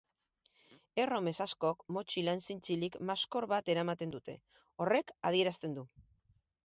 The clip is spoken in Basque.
Erromes askok motxilan zintzilik maskor bat eramaten dute, horrek adierazten du.